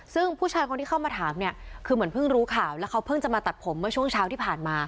ซึ่งผู้ชายคนที่เข้ามาถามเนี่ยคือเหมือนเพิ่งรู้ข่าวแล้วเขาเพิ่งจะมาตัดผมเมื่อช่วงเช้าที่ผ่านมา